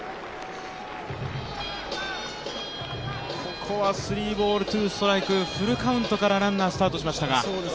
ここはスリーボール・ツーストライク、フルカウントからランナースタートしましたが。